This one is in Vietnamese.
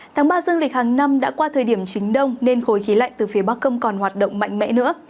tháng ba dương lịch hàng năm đã qua thời điểm chính đông nên khối khí lạnh từ phía bắc công còn hoạt động mạnh mẽ nữa